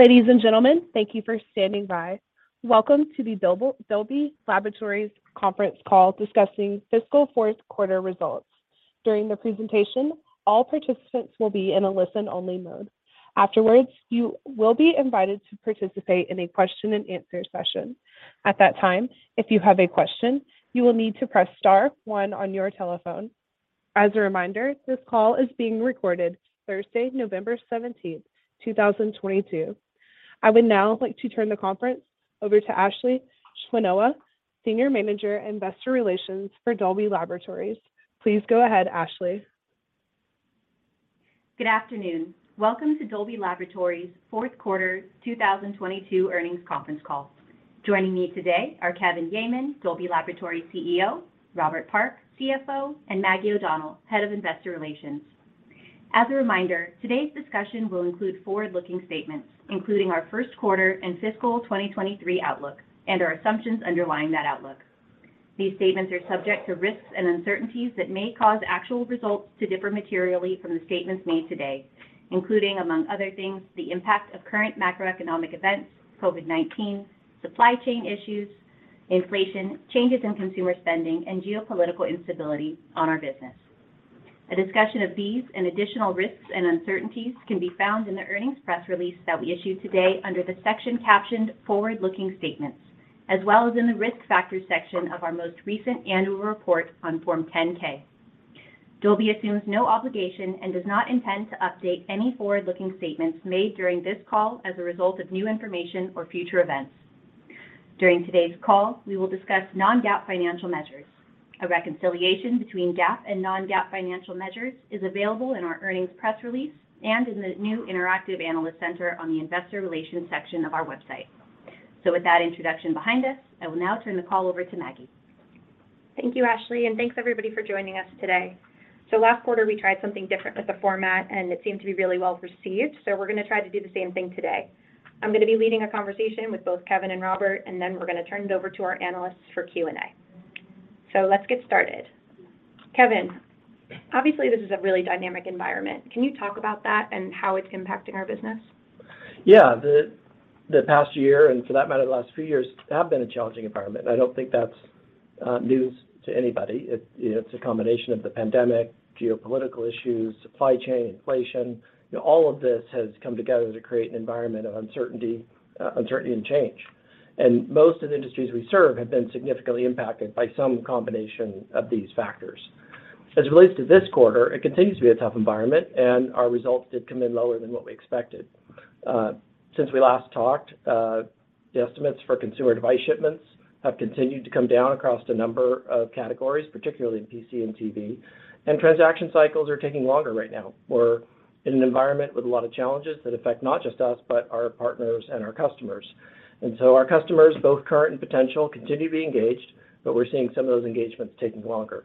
Ladies and gentlemen, thank you for standing by. Welcome to the Dolby Laboratories conference call discussing fiscal fourth quarter results. During the presentation, all participants will be in a listen-only mode. Afterwards, you will be invited to participate in a question-and-answer session. At that time, if you have a question, you will need to press star one on your telephone. As a reminder, this call is being recorded Thursday, November 17th, 2022. I would now like to turn the conference over to Ashley Schwenoha, Senior Manager, Investor Relations for Dolby Laboratories. Please go ahead, Ashley. Good afternoon. Welcome to Dolby Laboratories' fourth quarter 2022 earnings conference call. Joining me today are Kevin Yeaman, Dolby Laboratories CEO, Robert Park, CFO, and Maggie O'Donnell, Head of Investor Relations. As a reminder, today's discussion will include forward-looking statements, including our first quarter and fiscal 2023 outlook and our assumptions underlying that outlook. These statements are subject to risks and uncertainties that may cause actual results to differ materially from the statements made today, including among other things, the impact of current macroeconomic events, COVID-19, supply chain issues, inflation, changes in consumer spending, and geopolitical instability on our business. A discussion of these and additional risks and uncertainties can be found in the earnings press release that we issued today under the section captioned Forward-Looking Statements, as well as in the Risk Factors section of our most recent annual report on Form 10-K. Dolby assumes no obligation and does not intend to update any forward-looking statements made during this call as a result of new information or future events. During today's call, we will discuss non-GAAP financial measures. A reconciliation between GAAP and non-GAAP financial measures is available in our earnings press release and in the new interactive analyst center on the Investor Relations section of our website. With that introduction behind us, I will now turn the call over to Maggie. Thank you, Ashley, and thanks everybody for joining us today. Last quarter, we tried something different with the format, and it seemed to be really well received, so we're gonna try to do the same thing today. I'm gonna be leading a conversation with both Kevin and Robert, and then we're gonna turn it over to our analysts for Q&A. Let's get started. Kevin, obviously, this is a really dynamic environment. Can you talk about that and how it's impacting our business? Yeah. The past year, and for that matter, the last few years, have been a challenging environment. I don't think that's news to anybody. It's a combination of the pandemic, geopolitical issues, supply chain, inflation. You know, all of this has come together to create an environment of uncertainty and change. Most of the industries we serve have been significantly impacted by some combination of these factors. As it relates to this quarter, it continues to be a tough environment, and our results did come in lower than what we expected. Since we last talked, the estimates for consumer device shipments have continued to come down across a number of categories, particularly in PC and TV, and transaction cycles are taking longer right now. We're in an environment with a lot of challenges that affect not just us, but our partners and our customers. Our customers, both current and potential, continue to be engaged, but we're seeing some of those engagements taking longer.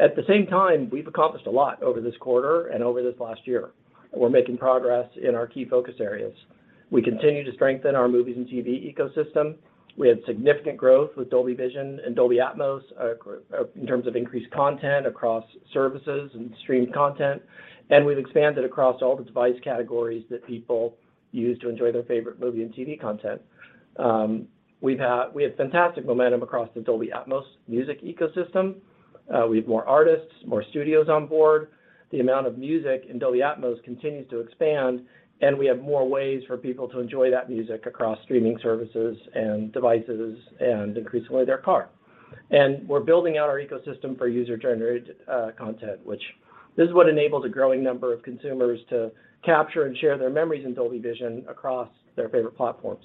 At the same time, we've accomplished a lot over this quarter and over this last year. We're making progress in our key focus areas. We continue to strengthen our movies and TV ecosystem. We had significant growth with Dolby Vision and Dolby Atmos in terms of increased content across services and streamed content, and we've expanded across all the device categories that people use to enjoy their favorite movie and TV content. We had fantastic momentum across the Dolby Atmos music ecosystem. We have more artists, more studios on board. The amount of music in Dolby Atmos continues to expand, and we have more ways for people to enjoy that music across streaming services and devices and increasingly their car. We're building out our ecosystem for user-generated content, which this is what enables a growing number of consumers to capture and share their memories in Dolby Vision across their favorite platforms.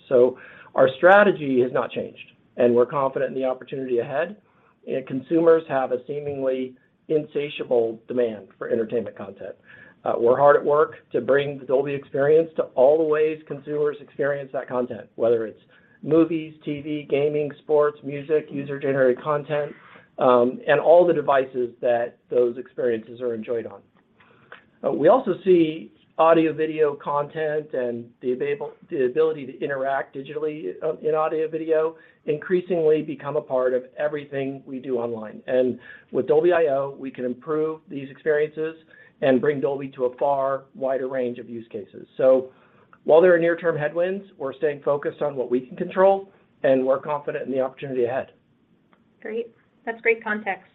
Our strategy has not changed, and we're confident in the opportunity ahead, and consumers have a seemingly insatiable demand for entertainment content. We're hard at work to bring the Dolby experience to all the ways consumers experience that content, whether it's movies, TV, gaming, sports, music, user-generated content, and all the devices that those experiences are enjoyed on. We also see audio/video content and the ability to interact digitally in audio/video increasingly become a part of everything we do online. With Dolby.io, we can improve these experiences and bring Dolby to a far wider range of use cases. While there are near-term headwinds, we're staying focused on what we can control, and we're confident in the opportunity ahead. Great. That's great context.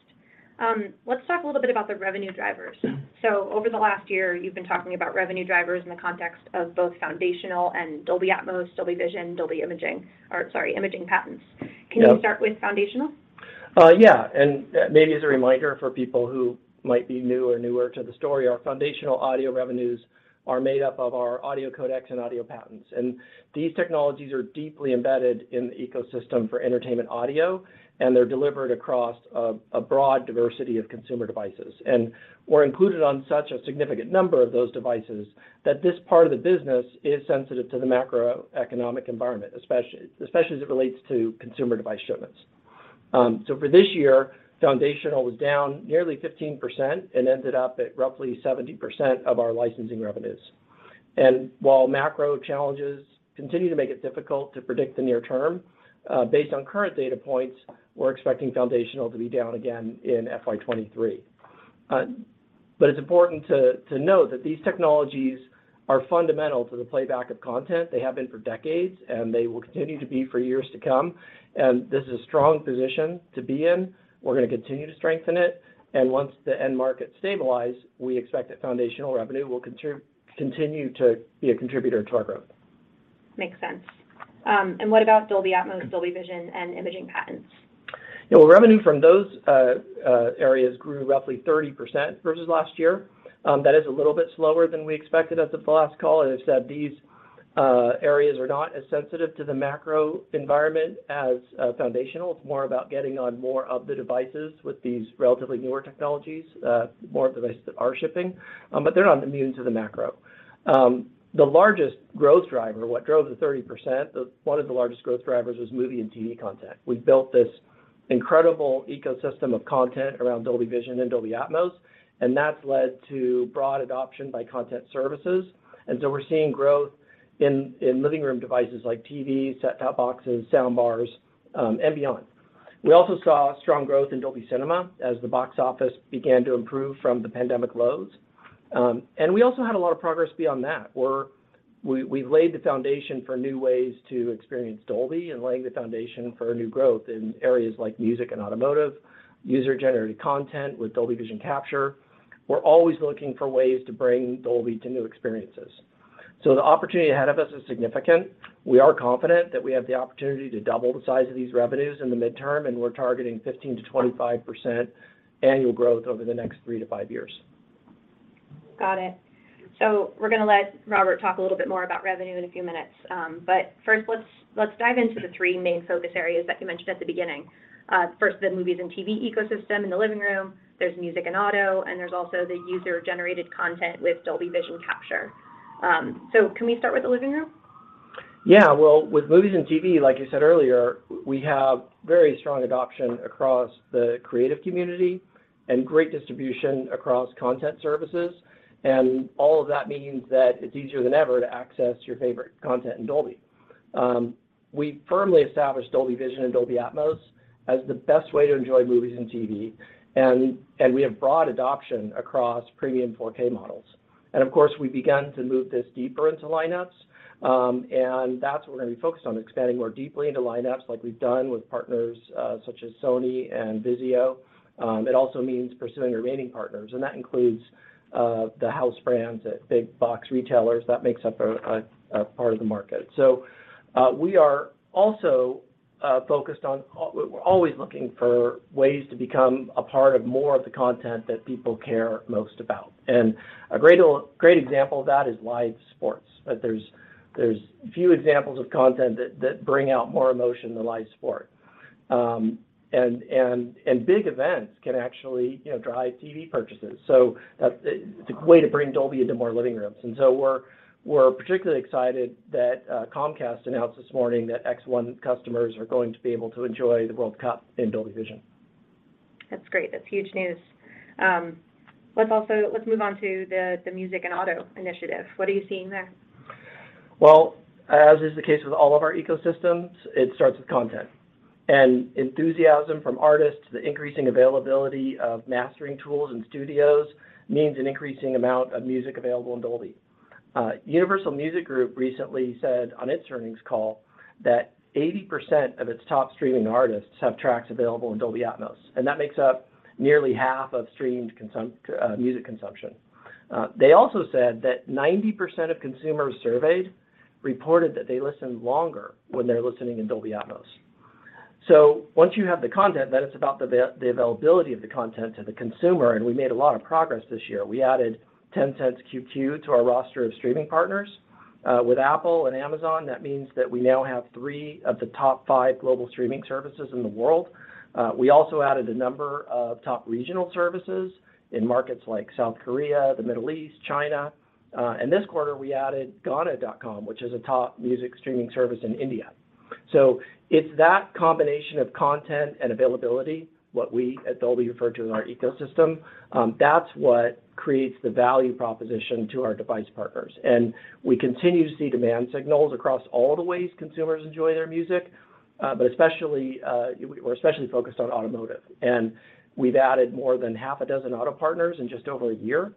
Let's talk a little bit about the revenue drivers. Mm-hmm. Over the last year, you've been talking about revenue drivers in the context of both foundational and Dolby Atmos, Dolby Vision, imaging patents. Yeah. Can you start with foundational? Yeah. Maybe as a reminder for people who might be new or newer to the story, our foundational audio revenues are made up of our audio codecs and audio patents. These technologies are deeply embedded in the ecosystem for entertainment audio, and they're delivered across a broad diversity of consumer devices. We're included on such a significant number of those devices that this part of the business is sensitive to the macroeconomic environment, especially as it relates to consumer device shipments. For this year, foundational was down nearly 15% and ended up at roughly 70% of our licensing revenues. While macro challenges continue to make it difficult to predict the near term, based on current data points, we're expecting foundational to be down again in FY 2023. It's important to note that these technologies are fundamental to the playback of content. They have been for decades, and they will continue to be for years to come, and this is a strong position to be in. We're gonna continue to strengthen it, and once the end markets stabilize, we expect that foundational revenue will continue to be a contributor to our growth. Makes sense. What about Dolby Atmos, Dolby Vision, and imaging patents? Yeah. Well, revenue from those areas grew roughly 30% versus last year. That is a little bit slower than we expected as of the last call. As I said, these areas are not as sensitive to the macro environment as foundational. It's more about getting on more of the devices with these relatively newer technologies, more of the devices that are shipping, but they're not immune to the macro. The largest growth driver, what drove the 30%, one of the largest growth drivers was movie and TV content. We've built this incredible ecosystem of content around Dolby Vision and Dolby Atmos, and that's led to broad adoption by content services. We're seeing growth in living room devices like TVs, set-top boxes, sound bars, and beyond. We also saw strong growth in Dolby Cinema as the box office began to improve from the pandemic lows. We also had a lot of progress beyond that, where we've laid the foundation for new ways to experience Dolby and laying the foundation for new growth in areas like music and automotive, user-generated content with Dolby Vision Capture. We're always looking for ways to bring Dolby to new experiences. The opportunity ahead of us is significant. We are confident that we have the opportunity to double the size of these revenues in the midterm, and we're targeting 15%-25% annual growth over the next three to five years. Got it. We're gonna let Robert talk a little bit more about revenue in a few minutes. First, let's dive into the three main focus areas that you mentioned at the beginning. First, the movies and TV ecosystem in the living room. There's music and auto, and there's also the user-generated content with Dolby Vision Capture. Can we start with the living room? Yeah. Well, with movies and TV, like you said earlier, we have very strong adoption across the creative community and great distribution across content services, and all of that means that it's easier than ever to access your favorite content in Dolby. We firmly established Dolby Vision and Dolby Atmos as the best way to enjoy movies and TV, and we have broad adoption across premium 4K models. Of course, we've begun to move this deeper into lineups, and that's what we're gonna be focused on, expanding more deeply into lineups like we've done with partners such as Sony and VIZIO. It also means pursuing remaining partners, and that includes the house brands at big box retailers. That makes up a part of the market. We're always looking for ways to become a part of more of the content that people care most about, and a great example of that is live sports. There's few examples of content that bring out more emotion than live sport. Big events can actually, you know, drive TV purchases, it's a way to bring Dolby into more living rooms. We're particularly excited that Comcast announced this morning that X1 customers are going to be able to enjoy the World Cup in Dolby Vision. That's great. That's huge news. Let's move on to the music and auto initiative. What are you seeing there? Well, as is the case with all of our ecosystems, it starts with content. Enthusiasm from artists, the increasing availability of mastering tools in studios means an increasing amount of music available in Dolby. Universal Music Group recently said on its earnings call that 80% of its top streaming artists have tracks available in Dolby Atmos. That makes up nearly half of streamed music consumption. They also said that 90% of consumers surveyed reported that they listen longer when they're listening in Dolby Atmos. Once you have the content, it's about the availability of the content to the consumer. We made a lot of progress this year. We added Tencent's QQ to our roster of streaming partners. With Apple and Amazon, that means that we now have three of the top five global streaming services in the world. We also added a number of top regional services in markets like South Korea, the Middle East, China, and this quarter, we added Gaana, which is a top music streaming service in India. It's that combination of content and availability, what we at Dolby refer to as our ecosystem, that's what creates the value proposition to our device partners. We continue to see demand signals across all the ways consumers enjoy their music, but we're especially focused on automotive, and we've added more than half a dozen auto partners in just over a year.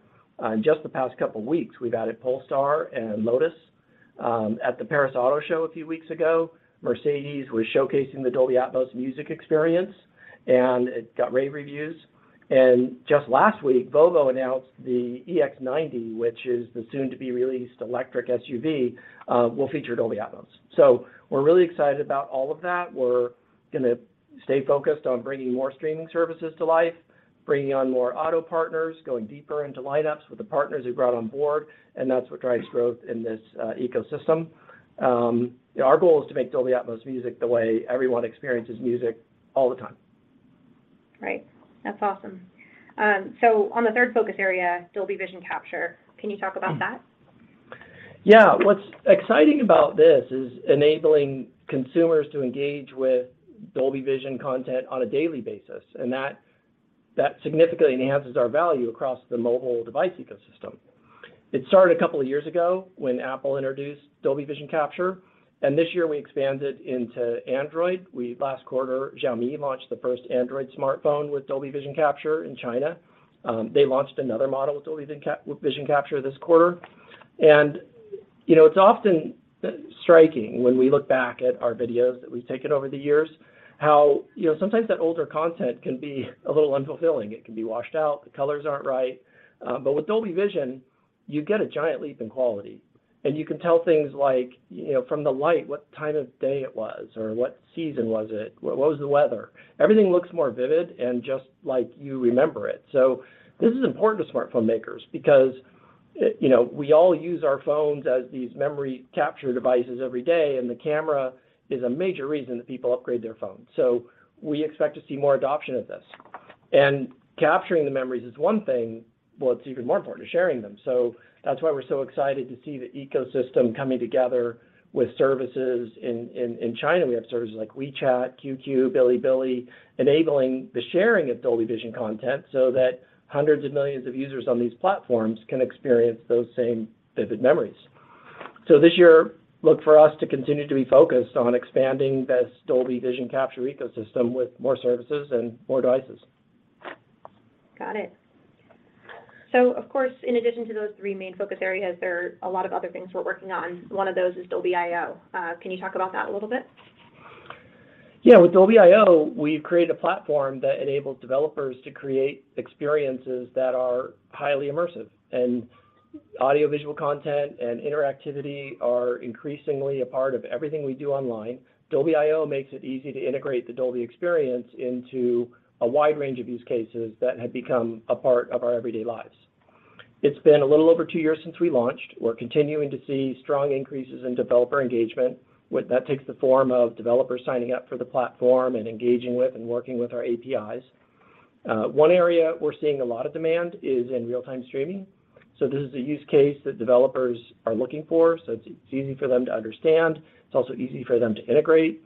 In just the past couple weeks, we've added Polestar and Lotus. At the Paris Auto Show a few weeks ago, Mercedes-Benz was showcasing the Dolby Atmos music experience, and it got rave reviews. Just last week, Volvo announced the EX90, which is the soon-to-be-released electric SUV, will feature Dolby Atmos. We're really excited about all of that. We're gonna stay focused on bringing more streaming services to life, bringing on more auto partners, going deeper into lineups with the partners we've brought on board, and that's what drives growth in this ecosystem. Our goal is to make Dolby Atmos music the way everyone experiences music all the time. Right. That's awesome. On the third focus area, Dolby Vision Capture, can you talk about that? Yeah. What's exciting about this is enabling consumers to engage with Dolby Vision content on a daily basis, and that significantly enhances our value across the mobile device ecosystem. It started a couple of years ago when Apple introduced Dolby Vision Capture, and this year we expanded into Android. Last quarter, Xiaomi launched the first Android smartphone with Dolby Vision Capture in China. They launched another model with Dolby Vision Capture this quarter. You know, it's often striking when we look back at our videos that we've taken over the years, how, you know, sometimes that older content can be a little unfulfilling. It can be washed out, the colors aren't right. With Dolby Vision, you get a giant leap in quality, and you can tell things like, you know, from the light what time of day it was or what season was it, what was the weather. Everything looks more vivid and just like you remember it. This is important to smartphone makers because, you know, we all use our phones as these memory capture devices every day, and the camera is a major reason that people upgrade their phone. We expect to see more adoption of this. Capturing the memories is one thing, but it's even more important to sharing them. That's why we're so excited to see the ecosystem coming together with services in China. We have services like WeChat, QQ, Bilibili, enabling the sharing of Dolby Vision content so that hundreds of millions of users on these platforms can experience those same vivid memories. This year, look for us to continue to be focused on expanding this Dolby Vision Capture ecosystem with more services and more devices. Got it. Of course, in addition to those three main focus areas, there are a lot of other things we're working on. One of those is Dolby.io. Can you talk about that a little bit? Yeah. With Dolby.io, we've created a platform that enables developers to create experiences that are highly immersive. Audiovisual content and interactivity are increasingly a part of everything we do online. Dolby.io makes it easy to integrate the Dolby experience into a wide range of use cases that have become a part of our everyday lives. It's been a little over two years since we launched. We're continuing to see strong increases in developer engagement. That takes the form of developers signing up for the platform and engaging with and working with our APIs. One area we're seeing a lot of demand is in real-time streaming. This is a use case that developers are looking for, so it's easy for them to understand, it's also easy for them to integrate.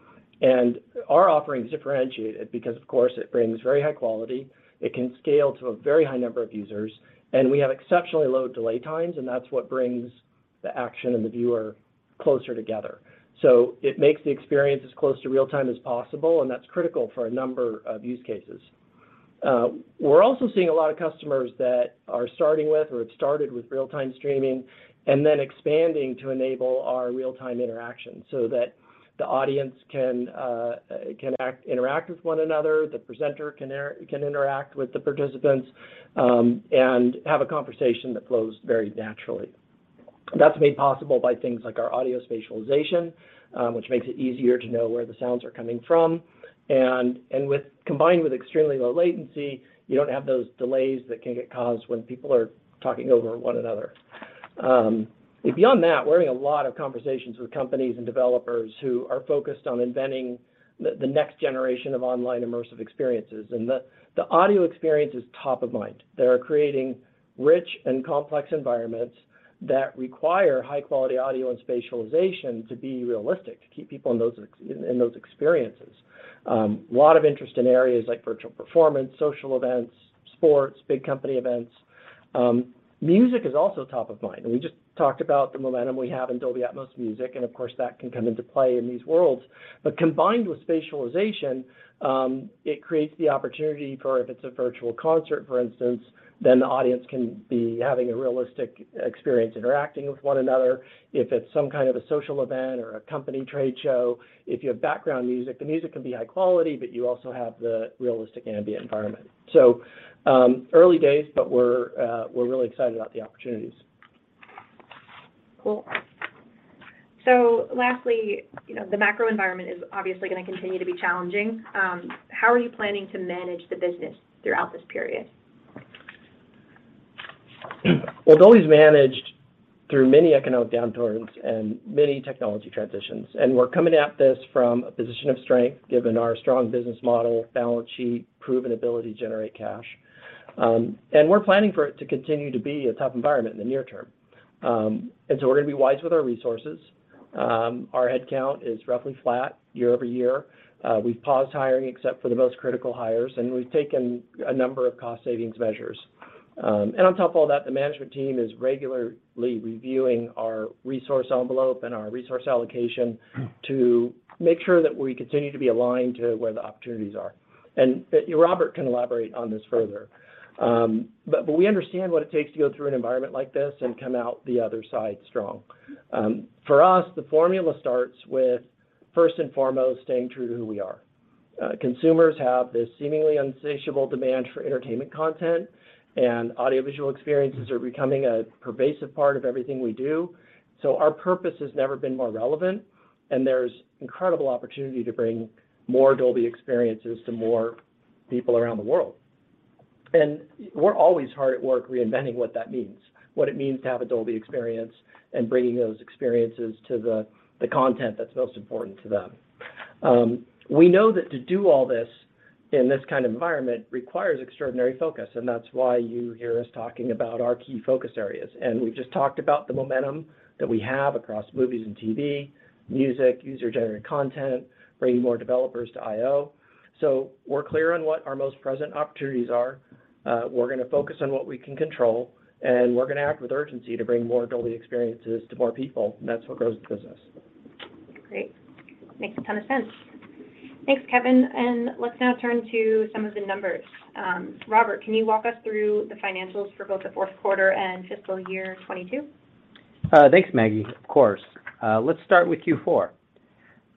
Our offering is differentiated because, of course, it brings very high quality, it can scale to a very high number of users, and we have exceptionally low delay times, and that's what brings the action and the viewer closer together. It makes the experience as close to real-time as possible, and that's critical for a number of use cases. We're also seeing a lot of customers that are starting with or have started with real-time streaming and then expanding to enable our real-time interaction so that the audience can interact with one another, the presenter can interact with the participants, and have a conversation that flows very naturally. That's made possible by things like our audio spatialization, which makes it easier to know where the sounds are coming from, and combined with extremely low latency, you don't have those delays that can get caused when people are talking over one another. Beyond that, we're having a lot of conversations with companies and developers who are focused on inventing the next generation of online immersive experiences, and the audio experience is top of mind. They are creating rich and complex environments that require high-quality audio and spatialization to be realistic to keep people in those experiences. A lot of interest in areas like virtual performance, social events, sports, big company events. Music is also top of mind, and we just talked about the momentum we have in Dolby Atmos music, and of course, that can come into play in these worlds. Combined with spatialization, it creates the opportunity for if it's a virtual concert, for instance, then the audience can be having a realistic experience interacting with one another. If it's some kind of a social event or a company trade show, if you have background music, the music can be high quality, but you also have the realistic ambient environment. Early days, but we're really excited about the opportunities. Cool. Lastly, you know, the macro environment is obviously gonna continue to be challenging. How are you planning to manage the business throughout this period? Well, Dolby's managed through many economic downturns and many technology transitions, and we're coming at this from a position of strength given our strong business model, balance sheet, proven ability to generate cash. We're planning for it to continue to be a tough environment in the near term. We're gonna be wise with our resources. Our head count is roughly flat year-over-year. We've paused hiring except for the most critical hires, and we've taken a number of cost savings measures. On top of all that, the management team is regularly reviewing our resource envelope and our resource allocation to make sure that we continue to be aligned to where the opportunities are. Robert can elaborate on this further. We understand what it takes to go through an environment like this and come out the other side strong. For us, the formula starts with first and foremost, staying true to who we are. Consumers have this seemingly insatiable demand for entertainment content, and audiovisual experiences are becoming a pervasive part of everything we do. Our purpose has never been more relevant, and there's incredible opportunity to bring more Dolby experiences to more people around the world. We're always hard at work reinventing what it means to have a Dolby experience and bringing those experiences to the content that's most important to them. We know that to do all this in this kind of environment requires extraordinary focus, and that's why you hear us talking about our key focus areas. We've just talked about the momentum that we have across movies and TV, music, user-generated content, bringing more developers to IO. We're clear on what our most present opportunities are. We're gonna focus on what we can control, and we're gonna act with urgency to bring more Dolby experiences to more people, and that's what grows the business. Great. Makes a ton of sense. Thanks, Kevin. Let's now turn to some of the numbers. Robert, can you walk us through the financials for both the fourth quarter fiscal year 2022? Thanks, Maggie. Of course. Let's start with Q4.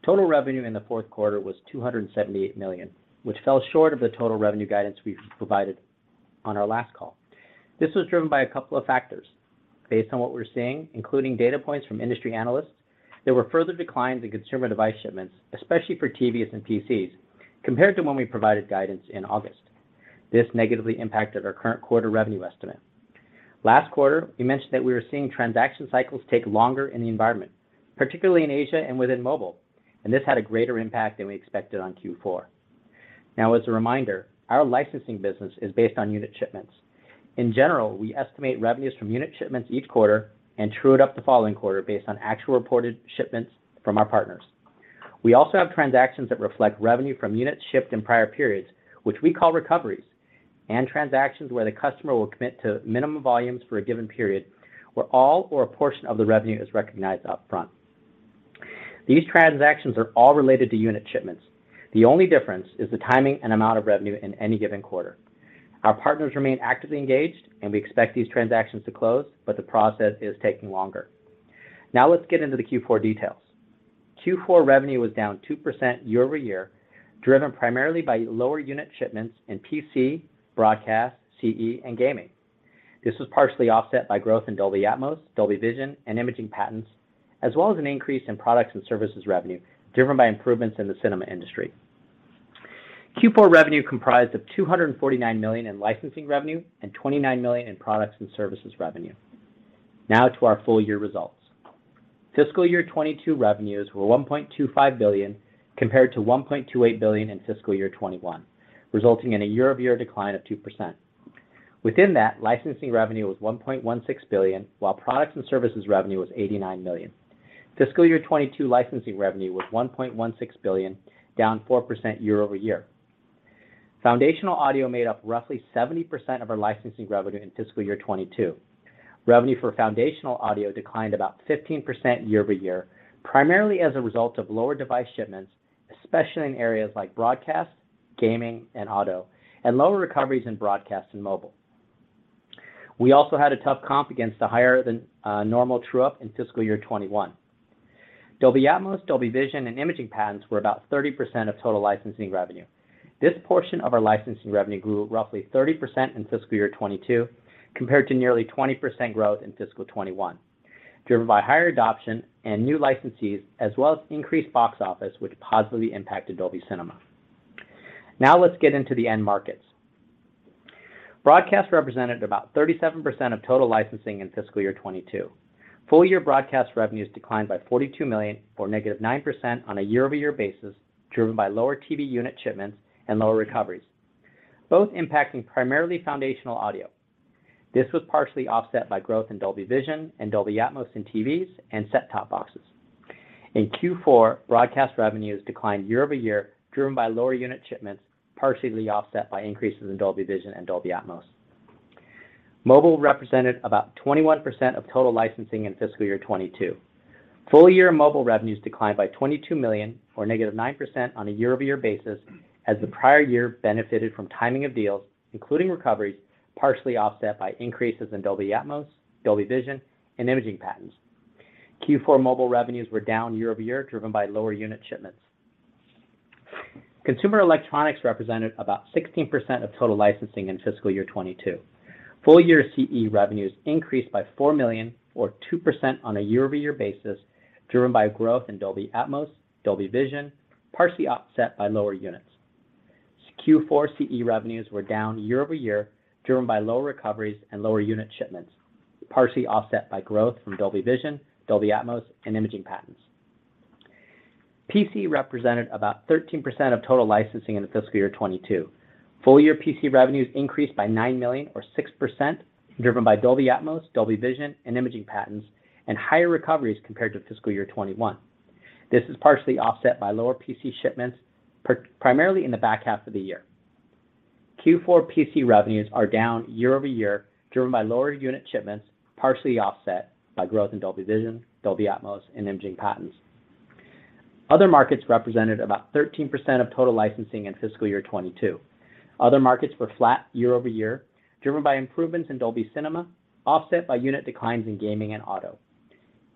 Total revenue in the fourth quarter was $278 million, which fell short of the total revenue guidance we provided on our last call. This was driven by a couple of factors. Based on what we're seeing, including data points from industry analysts, there were further declines in consumer device shipments, especially for TVs and PCs, compared to when we provided guidance in August. This negatively impacted our current quarter revenue estimate. Last quarter, we mentioned that we were seeing transaction cycles take longer in the environment, particularly in Asia and within mobile, and this had a greater impact than we expected on Q4. Now, as a reminder, our licensing business is based on unit shipments. In general, we estimate revenues from unit shipments each quarter and true it up the following quarter based on actual reported shipments from our partners. We also have transactions that reflect revenue from units shipped in prior periods, which we call recoveries, and transactions where the customer will commit to minimum volumes for a given period where all or a portion of the revenue is recognized upfront. These transactions are all related to unit shipments. The only difference is the timing and amount of revenue in any given quarter. Our partners remain actively engaged, and we expect these transactions to close, but the process is taking longer. Now let's get into the Q4 details. Q4 revenue was down 2% year-over-year, driven primarily by lower unit shipments in PC, broadcast, CE, and gaming. This was partially offset by growth in Dolby Atmos, Dolby Vision, and imaging patents, as well as an increase in products and services revenue driven by improvements in the cinema industry. Q4 revenue comprised of $249 million in licensing revenue and $29 million in products and services revenue. Now to our full-year results. Fiscal year 2022 revenues were $1.25 billion, compared to $1.28 billion fiscal year 2021, resulting in a year-over-year decline of 2%. Within that, licensing revenue was $1.16 billion, while products and services revenue was $89 million. Fiscal year 2022 licensing revenue was $1.16 billion, down 4% year-over-year. Foundational audio made up roughly 70% of our licensing revenue fiscal year 2022. Revenue for foundational audio declined about 15% year-over-year, primarily as a result of lower device shipments, especially in areas like broadcast, gaming, and auto, and lower recoveries in broadcast and mobile. We also had a tough comp against the higher than normal true-up fiscal year 2021. Dolby Atmos, Dolby Vision, and imaging patents were about 30% of total licensing revenue. This portion of our licensing revenue grew roughly 30% fiscal year 2022 compared to nearly 20% growth in fiscal 2021, driven by higher adoption and new licensees, as well as increased box office, which positively impacted Dolby Cinema. Now let's get into the end markets. Broadcast represented about 37% of total licensing fiscal year 2022. Full year broadcast revenues declined by $42 million or -9% on a year-over-year basis, driven by lower TV unit shipments and lower recoveries, both impacting primarily foundational audio. This was partially offset by growth in Dolby Vision and Dolby Atmos in TVs and set-top boxes. In Q4, broadcast revenues declined year-over-year, driven by lower unit shipments, partially offset by increases in Dolby Vision and Dolby Atmos. Mobile represented about 21% of total licensing fiscal year 2022. Full year mobile revenues declined by $22 million or -9% on a year-over-year basis as the prior year benefited from timing of deals, including recoveries partially offset by increases in Dolby Atmos, Dolby Vision, and imaging patents. Q4 mobile revenues were down year-over-year, driven by lower unit shipments. Consumer electronics represented about 16% of total licensing fiscal year 2022. Full year CE revenues increased by $4 million or 2% on a year-over-year basis, driven by growth in Dolby Atmos, Dolby Vision, partially offset by lower units. Q4 CE revenues were down year-over-year, driven by lower recoveries and lower unit shipments, partially offset by growth from Dolby Vision, Dolby Atmos, and imaging patents. PC represented about 13% of total licensing in fiscal year 2022. Full year PC revenues increased by $9 million or 6%, driven by Dolby Atmos, Dolby Vision, and imaging patents, and higher recoveries compared fiscal year 2021. This is partially offset by lower PC shipments primarily in the back half of the year. Q4 P.C. revenues are down year-over-year, driven by lower unit shipments, partially offset by growth in Dolby Vision, Dolby Atmos, and imaging patents. Other markets represented about 13% of total licensing fiscal year 2022. Other markets were flat year-over-year, driven by improvements in Dolby Cinema, offset by unit declines in gaming and auto.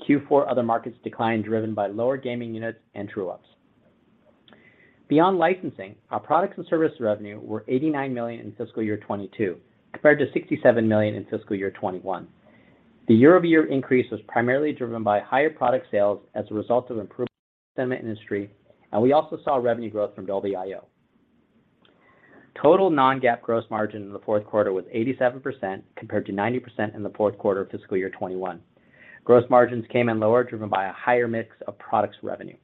Q4 other markets declined, driven by lower gaming units and true-ups. Beyond licensing, our products and service revenue were $89 million fiscal year 2022 compared to $67 million fiscal year 2021. The year-over-year increase was primarily driven by higher product sales as a result of improvements in the cinema industry, and we also saw revenue growth from Dolby.io. Total non-GAAP gross margin in the fourth quarter was 87%, compared to 90% in the fourth quarter fiscal year 2021. Gross margins came in lower, driven by a higher mix of products revenue.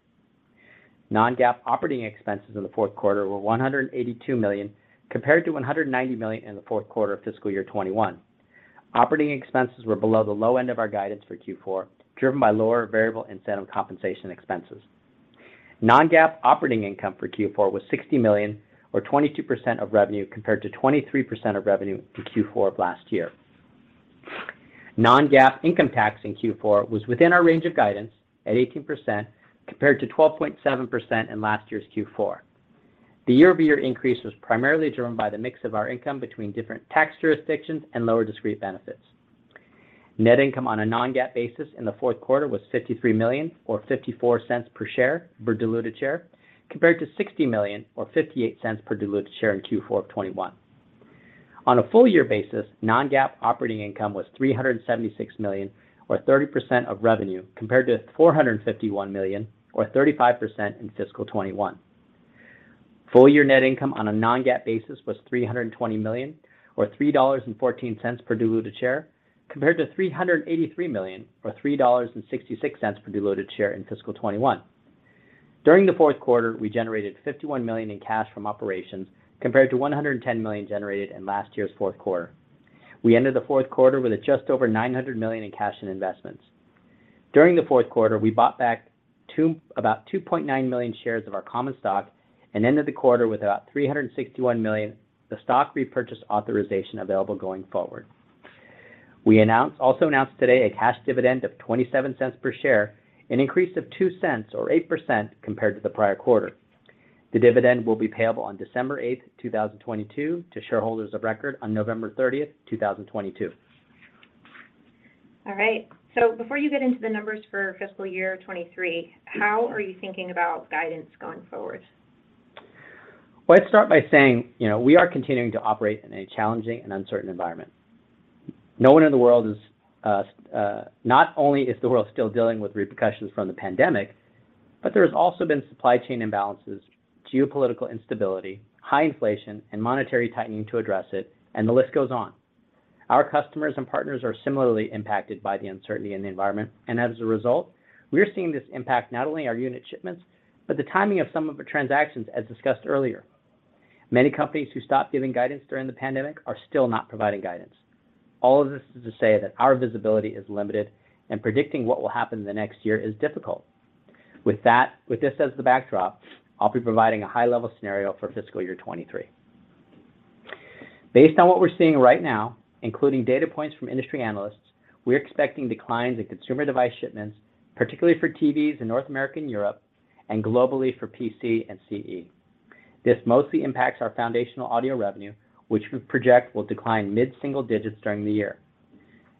Non-GAAP operating expenses in the fourth quarter were $182 million, compared to $190 million in the fourth quarter fiscal year 2021. Operating expenses were below the low end of our guidance for Q4, driven by lower variable incentive compensation expenses. Non-GAAP operating income for Q4 was $60 million or 22% of revenue, compared to 23% of revenue in Q4 of last year. Non-GAAP income tax in Q4 was within our range of guidance at 18% compared to 12.7% in last year's Q4. The year-over-year increase was primarily driven by the mix of our income between different tax jurisdictions and lower discrete benefits. Net income on a non-GAAP basis in the fourth quarter was $53 million, or $0.54 per share, per diluted share, compared to $60 million or $0.58 per diluted share in Q4 of 2021. On a full year basis, non-GAAP operating income was $376 million or 30% of revenue, compared to $451 million or 35% in fiscal 2021. Full year net income on a non-GAAP basis was $320 million or $3.14 per diluted share, compared to $383 million or $3.66 per diluted share in fiscal 2021. During the fourth quarter, we generated $51 million in cash from operations, compared to $110 million generated in last year's fourth quarter. We ended the fourth quarter with just over $900 million in cash and investments. During the fourth quarter, we bought back about 2.9 million shares of our common stock and ended the quarter with about $361 million, the stock repurchase authorization available going forward. We also announced today a cash dividend of $0.27 per share, an increase of $0.02 or 8% compared to the prior quarter. The dividend will be payable on December 8th, 2022, to shareholders of record on November 30th, 2022. All right. Before you get into the numbers fiscal year 2023, how are you thinking about guidance going forward? Well, I'd start by saying, you know, we are continuing to operate in a challenging and uncertain environment. Not only is the world still dealing with repercussions from the pandemic, but there has also been supply chain imbalances, geopolitical instability, high inflation and monetary tightening to address it, and the list goes on. Our customers and partners are similarly impacted by the uncertainty in the environment. As a result, we are seeing this impact not only our unit shipments, but the timing of some of the transactions, as discussed earlier. Many companies who stopped giving guidance during the pandemic are still not providing guidance. All of this is to say that our visibility is limited and predicting what will happen in the next year is difficult. With this as the backdrop, I'll be providing a high-level scenario fiscal year 2023. Based on what we're seeing right now, including data points from industry analysts, we're expecting declines in consumer device shipments, particularly for TVs in North America and Europe, and globally for PC and CE. This mostly impacts our foundational audio revenue, which we project will decline mid-single digits during the year.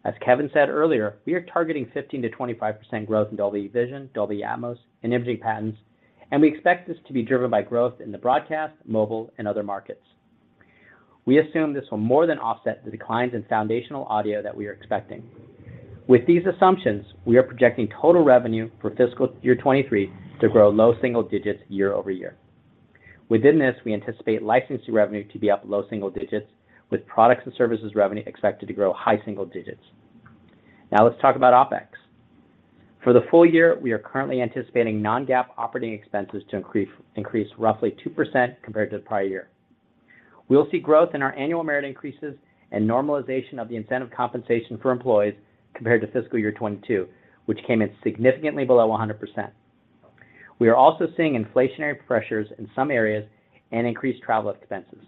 As Kevin said earlier, we are targeting 15%-25% growth in Dolby Vision, Dolby Atmos, and imaging patents, and we expect this to be driven by growth in the broadcast, mobile, and other markets. We assume this will more than offset the declines in foundational audio that we are expecting. With these assumptions, we are projecting total revenue fiscal year 2023 to grow low single digits year-over-year. Within this, we anticipate licensing revenue to be up low single digits, with products and services revenue expected to grow high single digits. Now let's talk about OpEx. For the full year, we are currently anticipating non-GAAP operating expenses to increase roughly 2% compared to the prior year. We'll see growth in our annual merit increases and normalization of the incentive compensation for employees compared fiscal year 2022, which came in significantly below 100%. We are also seeing inflationary pressures in some areas and increased travel expenses.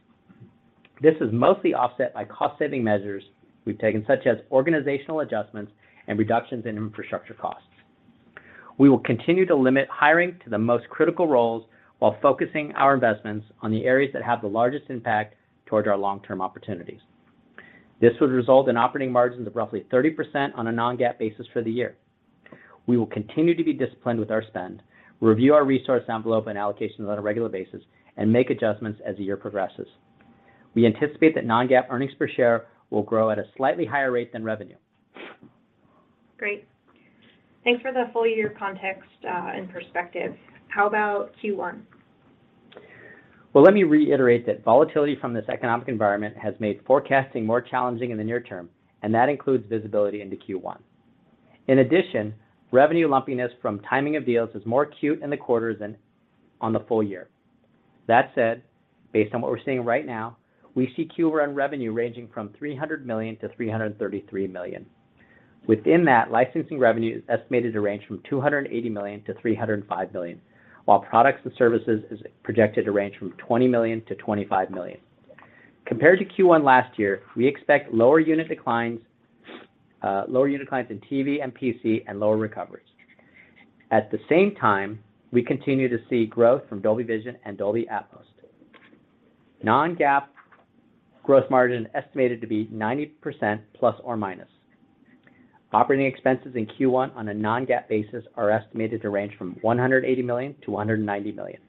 This is mostly offset by cost-saving measures we've taken, such as organizational adjustments and reductions in infrastructure costs. We will continue to limit hiring to the most critical roles while focusing our investments on the areas that have the largest impact towards our long-term opportunities. This would result in operating margins of roughly 30% on a non-GAAP basis for the year. We will continue to be disciplined with our spend, review our resource envelope and allocations on a regular basis, and make adjustments as the year progresses. We anticipate that non-GAAP earnings per share will grow at a slightly higher rate than revenue. Great. Thanks for the full year context and perspective. How about Q1? Well, let me reiterate that volatility from this economic environment has made forecasting more challenging in the near term, and that includes visibility into Q1. In addition, revenue lumpiness from timing of deals is more acute in the quarter than on the full year. That said, based on what we're seeing right now, we see Q1 revenue ranging from $300 million-$333 million. Within that, licensing revenue is estimated to range from $280 million-$305 million, while products and services is projected to range from $20 million-$25 million. Compared to Q1 last year, we expect lower unit declines in TV and P.C. and lower recoveries. At the same time, we continue to see growth from Dolby Vision and Dolby Atmos. Non-GAAP gross margin estimated to be 90% ±. Operating expenses in Q1 on a non-GAAP basis are estimated to range from $180 million-$190 million.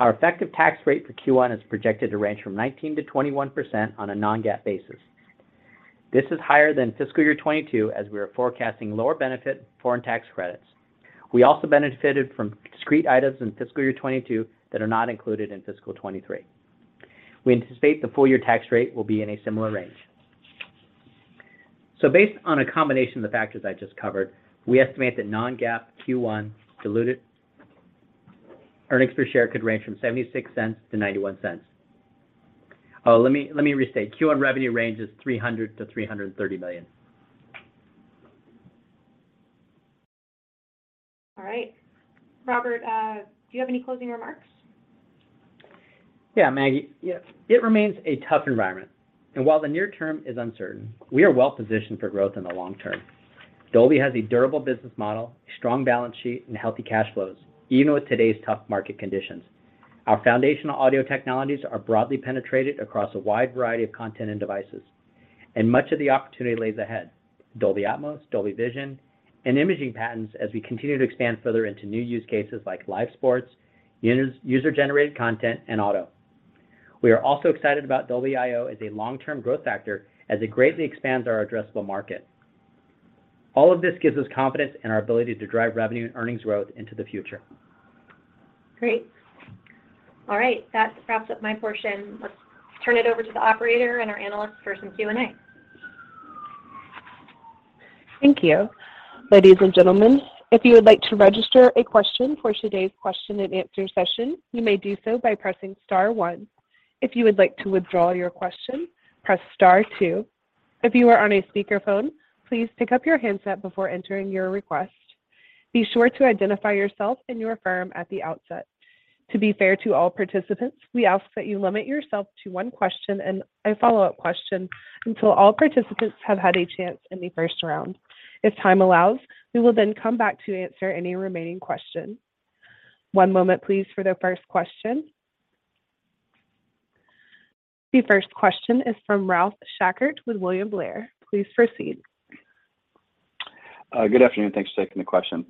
Our effective tax rate for Q1 is projected to range from 19%-21% on a non-GAAP basis. This is higher fiscal year 2022, as we are forecasting lower benefit foreign tax credits. We also benefited from discrete items fiscal year 2022 that are not included in fiscal 2023. We anticipate the full year tax rate will be in a similar range. Based on a combination of the factors I just covered, we estimate that non-GAAP Q1 diluted earnings per share could range from $0.76-$0.91. Oh, let me restate. Q1 revenue range is $300 million-$330 million. All right. Robert, do you have any closing remarks? Yeah, Maggie. Yeah, it remains a tough environment, and while the near term is uncertain, we are well-positioned for growth in the long term. Dolby has a durable business model, strong balance sheet, and healthy cash flows, even with today's tough market conditions. Our foundational audio technologies are broadly penetrated across a wide variety of content and devices, and much of the opportunity lays ahead, Dolby Atmos, Dolby Vision, and imaging patents as we continue to expand further into new use cases like live sports, user-generated content, and auto. We are also excited about Dolby IO as a long-term growth factor as it greatly expands our addressable market. All of this gives us confidence in our ability to drive revenue and earnings growth into the future. Great. All right. That wraps up my portion. Let's turn it over to the operator and our analysts for some Q&A. Thank you. Ladies and gentlemen, if you would like to register a question for today's question-and-answer session, you may do so by pressing star one. If you would like to withdraw your question, press star two. If you are on a speakerphone, please pick up your handset before entering your request. Be sure to identify yourself and your firm at the outset. To be fair to all participants, we ask that you limit yourself to one question and a follow-up question until all participants have had a chance in the first round. If time allows, we will then come back to answer any remaining questions. One moment, please, for the first question. The first question is from Ralph Schackart with William Blair. Please proceed. Good afternoon. Thanks for taking the question.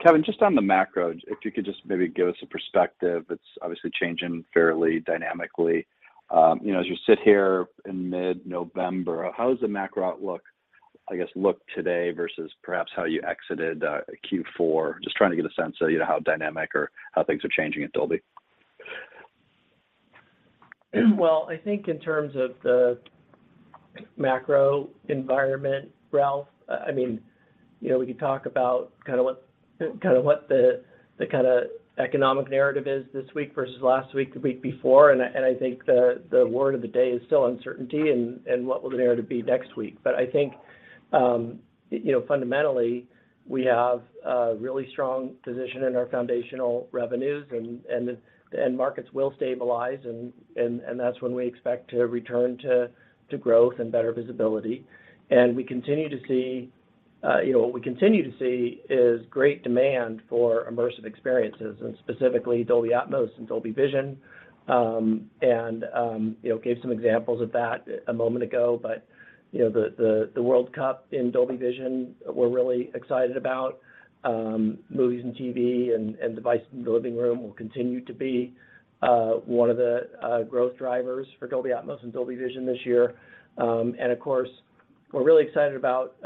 Kevin, just on the macro, if you could just maybe give us a perspective. It's obviously changing fairly dynamically. You know, as you sit here in mid-November, how does the macro outlook, I guess, look today versus perhaps how you exited Q4? Just trying to get a sense of, you know, how dynamic or how things are changing at Dolby. Well, I think in terms of the macro environment, Ralph, I mean, you know, we could talk about kinda what the kinda economic narrative is this week versus last week, the week before, and I think the word of the day is still uncertainty and what will the narrative be next week. I think, you know, fundamentally, we have a really strong position in our foundational revenues, and markets will stabilize, and that's when we expect to return to growth and better visibility. You know, what we continue to see is great demand for immersive experiences, and specifically Dolby Atmos and Dolby Vision, and, you know, gave some examples of that a moment ago. You know, the World Cup in Dolby Vision we're really excited about. Movies and TV and devices in the living room will continue to be one of the growth drivers for Dolby Atmos and Dolby Vision this year. Of course, we're really excited about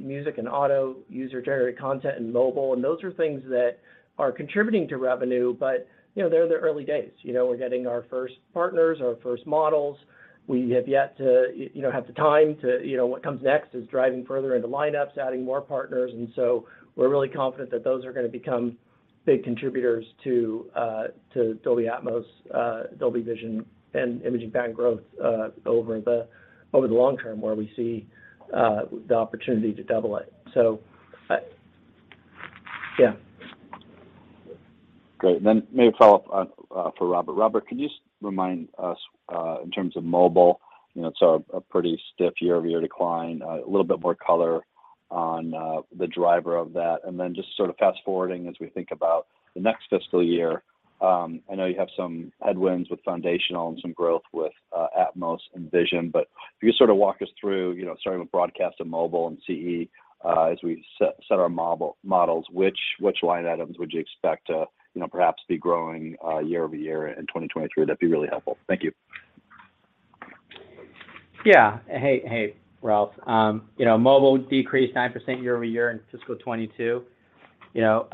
music and auto, user-generated content, and mobile, and those are things that are contributing to revenue, but you know, they're the early days. You know, we're getting our first partners, our first models. We have yet to, you know, have the time to, you know, what comes next is driving further into lineups, adding more partners. We're really confident that those are gonna become big contributors to Dolby Atmos, Dolby Vision, and imaging patents growth over the long term, where we see the opportunity to double it. Yeah. Great. Maybe a follow-up for Robert. Robert, could you just remind us in terms of mobile, you know, it saw a pretty stiff year-over-year decline, a little bit more color on the driver of that? Just sort of fast-forwarding as we think about the fiscal year, I know you have some headwinds with foundational and some growth with Atmos and Vision, but if you could sort of walk us through, you know, starting with broadcast and mobile and CE, as we set our models, which line items would you expect to, you know, perhaps be growing year-over-year in 2023? That'd be really helpful. Thank you. Yeah. Hey, Ralph. You know, mobile decreased 9% year-over-year in fiscal 2022. You know,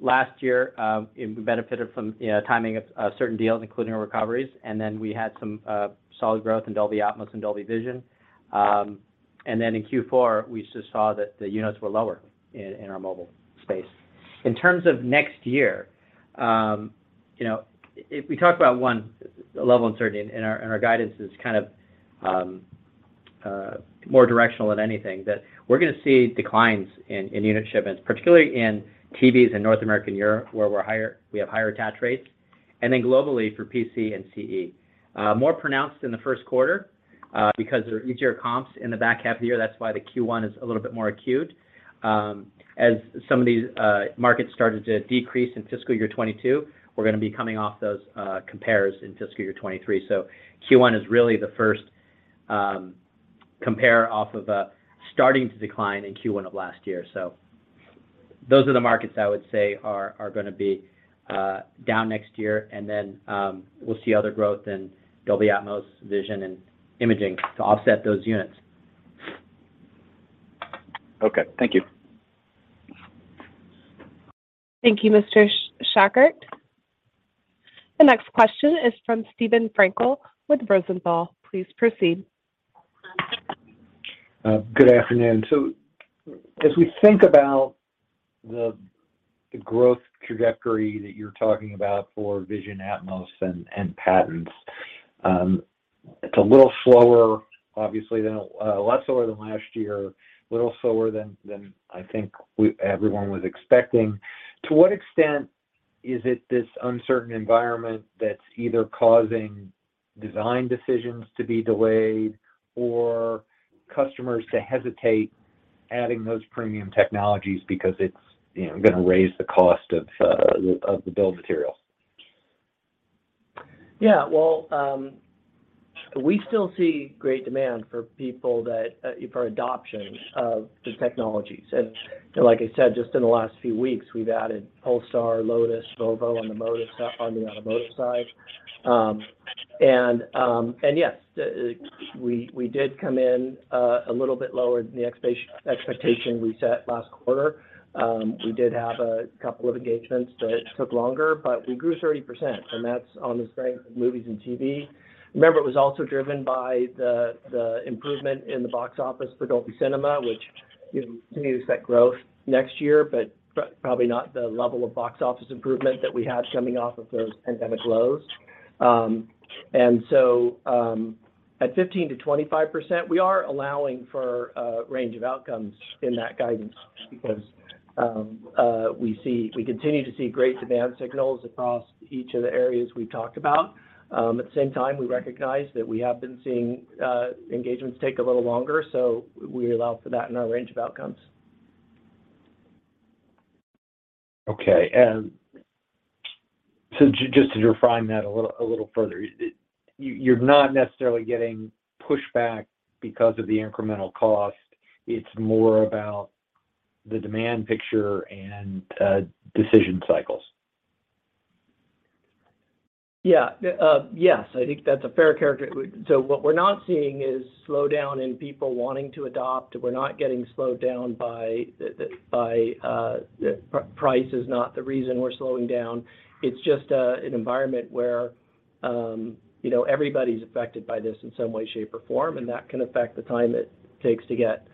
last year, it benefited from timing of certain deals including recoveries, and then we had some solid growth in Dolby Atmos and Dolby Vision. In Q4, we just saw that the units were lower in our mobile space. In terms of next year, you know, if we talk about a level of uncertainty and our guidance is kind of more directional than anything that we're gonna see declines in unit shipments, particularly in TVs in North America and Europe, where we have higher attach rates, and then globally for PC and CE. More pronounced in the first quarter because there are easier comps in the back half of the year. That's why the Q1 is a little bit more acute. As some of these markets started to decrease fiscal year 2022, we're gonna be coming off those compares fiscal year 2023. Q1 is really the first compare off of a starting to decline in Q1 of last year. Those are the markets I would say are gonna be down next year. We'll see other growth in Dolby Atmos, Vision, and imaging to offset those units. Okay. Thank you. Thank you, Mr. Schackart. The next question is from Steven Frankel with Rosenblatt. Please proceed. Good afternoon. As we think about the. The growth trajectory that you're talking about for Vision, Atmos, and patents, it's a lot slower than last year, a little slower than I think everyone was expecting. To what extent is it this uncertain environment that's either causing design decisions to be delayed or customers to hesitate adding those premium technologies because it's, you know, gonna raise the cost of the bill of materials? Yeah. Well, we still see great demand for adoption of the technologies. You know, like I said, just in the last few weeks, we've added Polestar, Lotus, Volvo on the automotive side. Yes, we did come in a little bit lower than the expectation we set last quarter. We did have a couple of engagements that took longer, but we grew 30%, and that's on the strength of movies and TV Remember, it was also driven by the improvement in the box office for Dolby Cinema, which, you know, continues that growth next year, but probably not the level of box office improvement that we had coming off of those pandemic lows. At 15%-25%, we are allowing for a range of outcomes in that guidance because we continue to see great demand signals across each of the areas we talked about. At the same time, we recognize that we have been seeing engagements take a little longer, so we allow for that in our range of outcomes. Okay. Just to refine that a little further, you're not necessarily getting pushback because of the incremental cost. It's more about the demand picture and decision cycles. Yeah, yes. What we're not seeing is slowdown in people wanting to adopt. Price is not the reason we're slowing down. It's just an environment where, you know, everybody's affected by this in some way, shape, or form, and that can affect the time it takes to get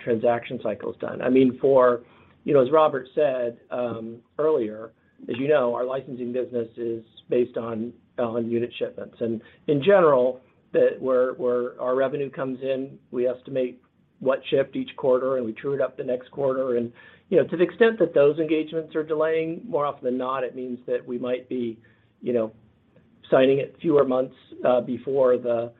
transaction cycles done. I mean, you know, as Robert said earlier, as you know, our licensing business is based on unit shipments. In general, where our revenue comes in, we estimate what shipped each quarter, and we true it up the next quarter. You know, to the extent that those engagements are delaying, more often than not, it means that we might be, you know, signing it fewer months before the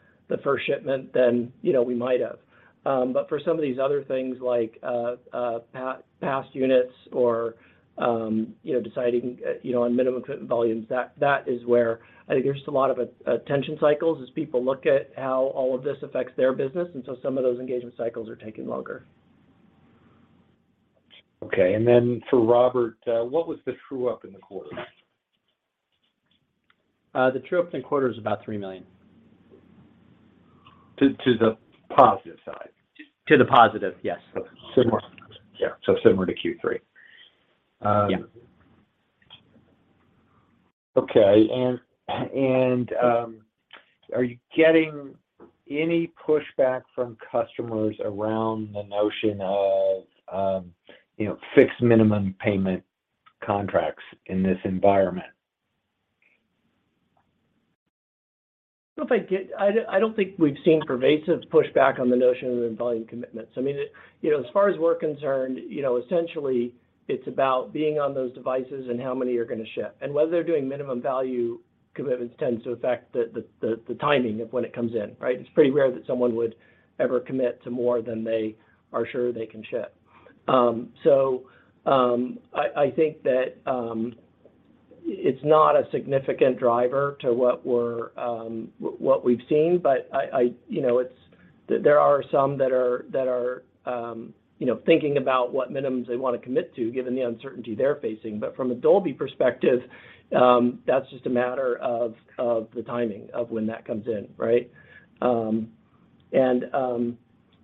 first shipment than, you know, we might have. For some of these other things like past units or, you know, deciding, you know, on minimum commitment volumes, that is where I think there's just a lot of attention cycles as people look at how all of this affects their business. Some of those engagement cycles are taking longer. Okay, for Robert, what was the true-up in the quarter? The true-up in the quarter is about $3 million. To the positive side? To the positive, yes. Similar. Yeah. Similar to Q3. Yeah. Okay. Are you getting any pushback from customers around the notion of, you know, fixed minimum payment contracts in this environment? I don't think we've seen pervasive pushback on the notion of minimum volume commitments. I mean, you know, essentially, it's about being on those devices and how many are gonna ship. Whether they're doing minimum volume commitments tends to affect the timing of when it comes in, right? It's pretty rare that someone would ever commit to more than they are sure they can ship. I think that it's not a significant driver to what we've seen. You know, there are some that are, you know, thinking about what minimums they wanna commit to given the uncertainty they're facing. From a Dolby perspective, that's just a matter of the timing of when that comes in, right? I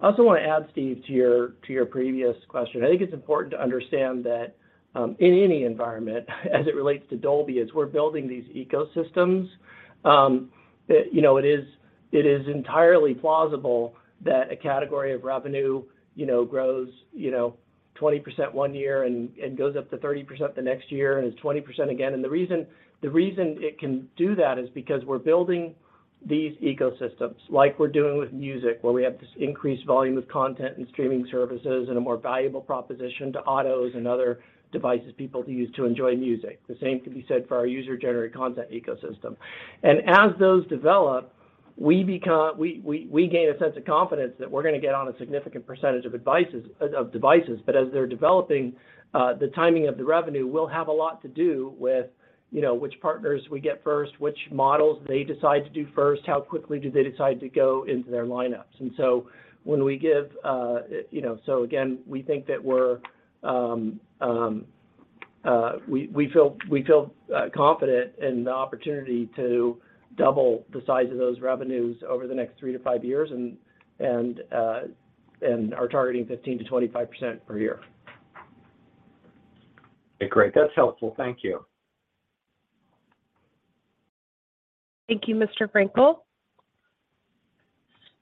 also wanna add, Steve, to your previous question. I think it's important to understand that in any environment, as it relates to Dolby, is we're building these ecosystems that, you know, it is entirely plausible that a category of revenue, you know, grows, you know, 20% one year and goes up to 30% the next year and is 20% again. The reason it can do that is because we're building these ecosystems like we're doing with music, where we have this increased volume of content and streaming services and a more valuable proposition to autos and other devices people use to enjoy music. The same could be said for our user-generated content ecosystem. As those develop, we gain a sense of confidence that we're gonna get on a significant percentage of devices. As they're developing, the timing of the revenue will have a lot to do with, you know, which partners we get first, which models they decide to do first, how quickly do they decide to go into their lineups. Again, we feel confident in the opportunity to double the size of those revenues over the next three to five years and are targeting 15%-25% per year. Okay. Great. That's helpful. Thank you. Thank you, Mr. Frankel.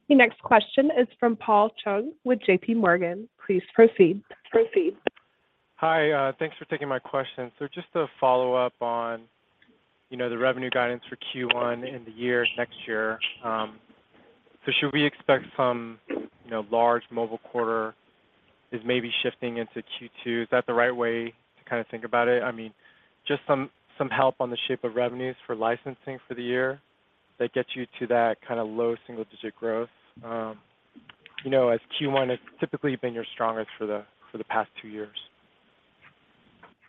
The next question is from Paul Chung with JPMorgan. Please proceed. Hi. Thanks for taking my question. Just to follow up on, you know, the revenue guidance for Q1 in the year, next year. Should we expect some, you know, large mobile quarter is maybe shifting into Q2? Is that the right way to kind of think about it? I mean, just some help on the shape of revenues for licensing for the year that gets you to that kind of low single-digit growth. You know, as Q1 has typically been your strongest for the past two years,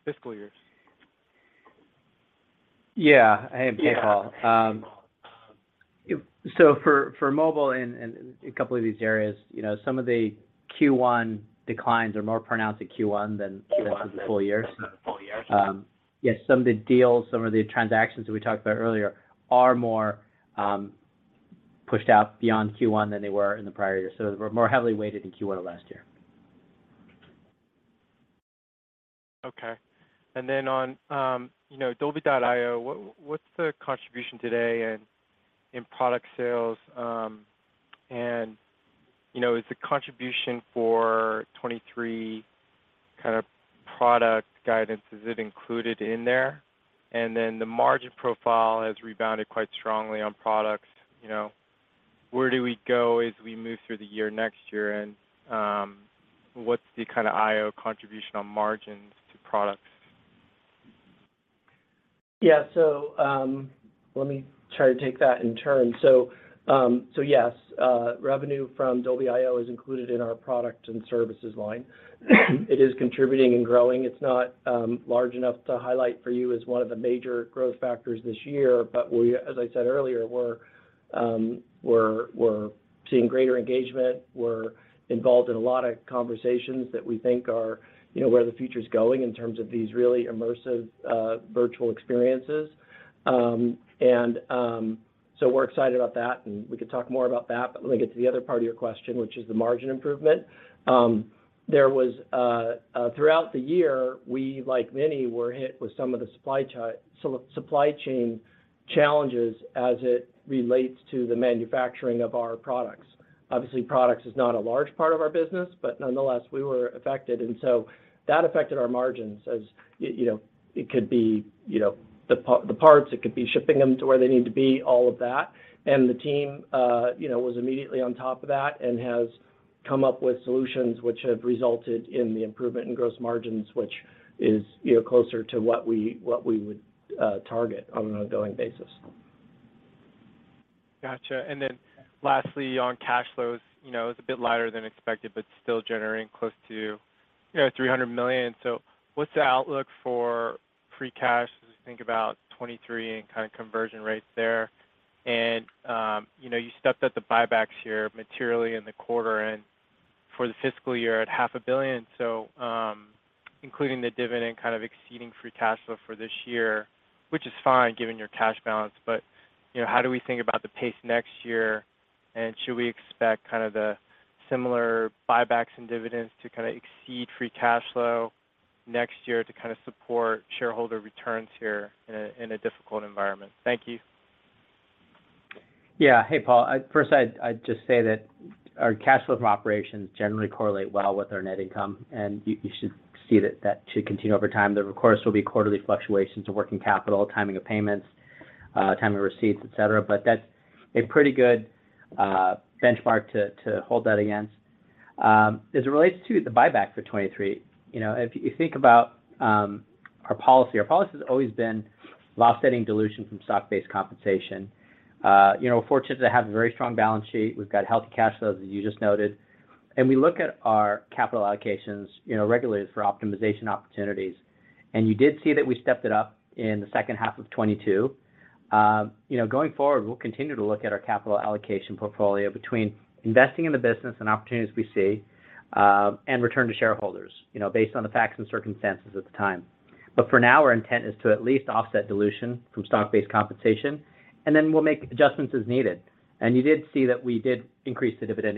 fiscal years. Yeah. Hey, Paul. For mobile and a couple of these areas, you know, some of the Q1 declines are more pronounced at Q1 than Q1 for the full year. Yes, some of the deals, some of the transactions that we talked about earlier are more pushed out beyond Q1 than they were in the prior year. They were more heavily weighted in Q1 of last year. Okay. On, you know, Dolby.io, what's the contribution today in product sales? You know, is the contribution for 2023 kinda product guidance, is it included in there? The margin profile has rebounded quite strongly on products. You know, where do we go as we move through the year next year? What's the kinda IO contribution on margins to products? Yeah, let me try to take that in turn. Yes, revenue from Dolby.io is included in our product and services line. It is contributing and growing. It's not large enough to highlight for you as one of the major growth factors this year. As I said earlier, we're seeing greater engagement. We're involved in a lot of conversations that we think are, you know, where the future is going in terms of these really immersive virtual experiences. We're excited about that, and we could talk more about that. Let me get to the other part of your question, which is the margin improvement. Throughout the year, we, like many, were hit with some of the supply chain challenges as it relates to the manufacturing of our products. Obviously, products is not a large part of our business, but nonetheless, we were affected. That affected our margins as, you know, it could be, you know, the parts, it could be shipping them to where they need to be, all of that. The team, you know, was immediately on top of that and has come up with solutions which have resulted in the improvement in gross margins, which is, you know, closer to what we would target on an ongoing basis. Gotcha. Lastly, on cash flows, you know, it's a bit lighter than expected but still generating close to, you know, $300 million. What's the outlook for free cash as we think about 2023 and kinda conversion rates there? You know, you stepped up the buybacks here materially in the quarter and for fiscal year at half a billion. Including the dividend kind of exceeding free cash flow for this year, which is fine given your cash balance. You know, how do we think about the pace next year? Should we expect kind of the similar buybacks and dividends to kinda exceed free cash flow next year to kinda support shareholder returns here in a difficult environment? Thank you. Yeah. Hey, Paul. First, I'd just say that our cash flow from operations generally correlate well with our net income, and you should see that should continue over time. There of course will be quarterly fluctuations of working capital, timing of payments, timing of receipts, et cetera, but that's a pretty good benchmark to hold that against. As it relates to the buyback for 2023, you know, if you think about our policy has always been offsetting dilution from stock-based compensation. You know, we're fortunate to have a very strong balance sheet. We've got healthy cash flows, as you just noted. We look at our capital allocations, you know, regularly for optimization opportunities. You did see that we stepped it up in the second half of 2022. You know, going forward, we'll continue to look at our capital allocation portfolio between investing in the business and opportunities we see and return to shareholders, you know, based on the facts and circumstances at the time. For now, our intent is to at least offset dilution from stock-based compensation, and then we'll make adjustments as needed. You did see that we did increase the dividend